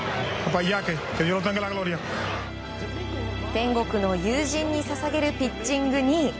天国の友人に捧げるピッチングに。